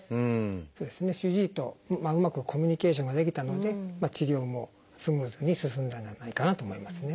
主治医とうまくコミュニケーションができたので治療もスムーズに進んだんじゃないかなと思いますね。